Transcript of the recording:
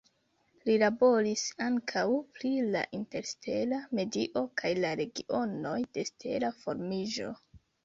Li laboris ankaŭ pri la interstela medio kaj la regionoj de stela formiĝo.